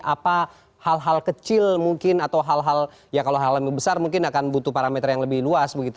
apa hal hal kecil mungkin atau hal hal ya kalau hal yang lebih besar mungkin akan butuh parameter yang lebih luas begitu